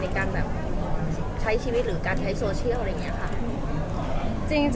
ในการแบบใช้ชีวิตหรือการใช้โซเชียลอะไรอย่างนี้ค่ะ